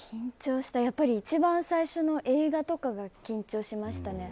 やっぱり一番最初の映画とかが緊張しましたね。